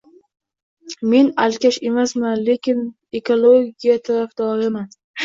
Men alkash emasman, lekin ekologiya tarafdoriman